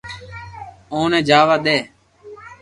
اوني جاوا دي